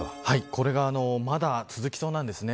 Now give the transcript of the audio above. これがまだ続きそうなんですね。